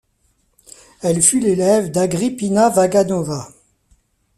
Elle fut l'élève d'Agripina Vaganova.